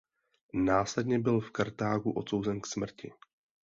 Následně byl v Kartágu odsouzen k smrti.